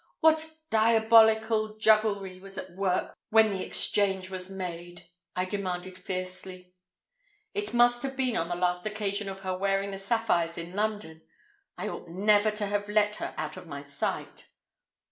"What diabolic jugglery was at work when the exchange was made?" I demanded fiercely. "It must have been on the last occasion of her wearing the sapphires in London. I ought never to have let her out of my sight."